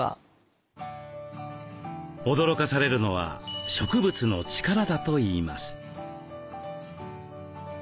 驚かされるのは植物の力だといいます。